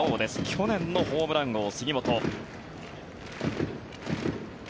去年のホームラン王、杉本。